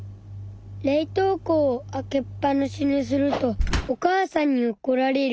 冷凍庫を開けっぱなしにするとお母さんにおこられる。